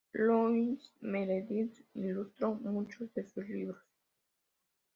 Louisa Meredith ilustró muchos de sus libros.